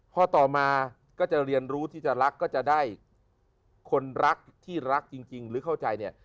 พอต่อมาก็จะเรียนรู้ที่จะรักก็จะได้คนรักที่รักจริงหรือเข้าใจเนี่ย